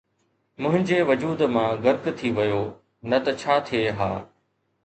منهنجي وجود مان غرق ٿي ويو، نه ته ڇا ٿئي ها